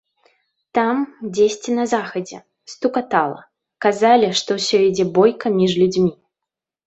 Там, дзесьці на захадзе, стукатала, казалі, што ўсё ідзе бойка між людзьмі.